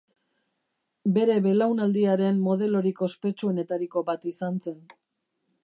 Bere belaunaldiaren modelorik ospetsuenetariko bat izan zen.